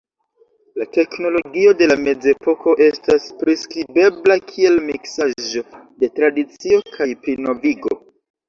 La teknologio de la Mezepoko estas priskribebla kiel miksaĵo de tradicio kaj plinovigo.